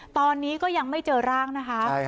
ตอนนี้ก็ยังไม่เจอร่างนะคะ